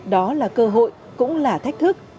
đó là cơ hội cũng là thách thức